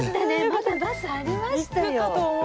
まだバスありましたよ。